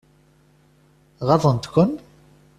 Ɣaḍent-ken?